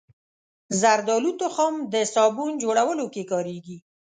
زردالو تخم د صابون جوړولو کې کارېږي.